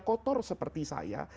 kotor seperti saya